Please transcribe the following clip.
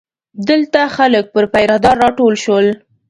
دلته خلک پر پیره دار راټول شول.